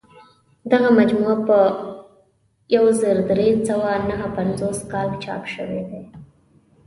دغه مجموعه په یو زر درې سوه نهه پنځوس کال چاپ شوې ده.